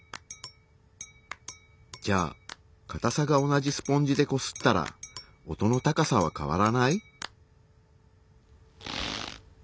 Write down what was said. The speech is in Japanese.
じゃあかたさが同じスポンジでこすったら音の高さは変わらない？